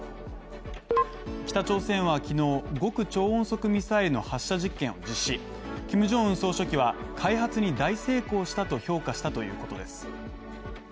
北朝鮮は昨日、極超音速ミサイルの発射実験を実施、キム・ジョンウン総書記は開発に大成功したと評価したということです。